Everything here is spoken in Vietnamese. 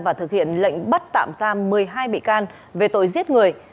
và thực hiện lệnh bắt tạm giam một mươi hai bị can về tội giết người